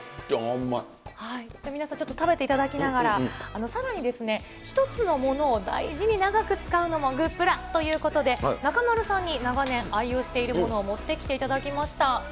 皆さんちょっと食べていただきながら、さらに、一つのものを大事に長く使うのもグップラということで、中丸さんに長年愛用しているものを持ってきていただきました。